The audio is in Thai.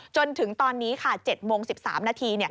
จนถึงตอนนี้ค่ะ๗โมง๑๓นาที